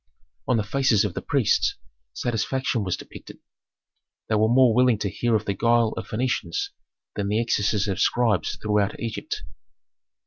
On the faces of the priests satisfaction was depicted; they were more willing to hear of the guile of Phœnicians than the excesses of scribes throughout Egypt.